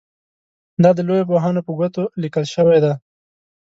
دا د لویو پوهانو په ګوتو لیکل شوي دي.